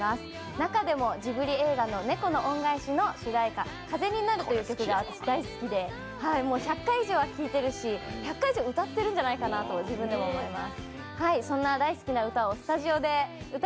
中でもジブリ映画の「猫の恩返し」の主題歌、「風になる」という曲が私、大好きで１００回以上は聴いているし、１００回以上歌っているんじゃないかなと自分では思います。